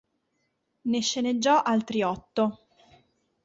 Ne sceneggiò altri otto.